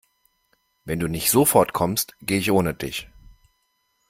Wenn du nicht sofort kommst, gehe ich ohne dich.